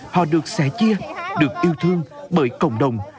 họ được sẻ chia được yêu thương bởi cộng đồng